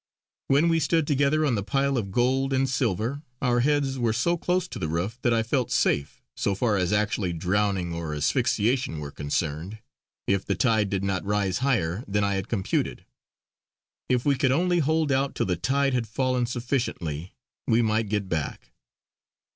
When we stood together on the pile of gold and silver, our heads were so close to the roof that I felt safe so far as actually drowning or asphyxiation were concerned if the tide did not rise higher than I had computed. If we could only hold out till the tide had fallen sufficiently, we might get back.